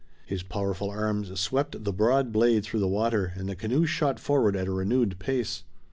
His powerful arms swept the broad blade through the water, and the canoe shot forward at a renewed pace.